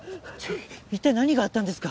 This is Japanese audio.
一体何があったんですか？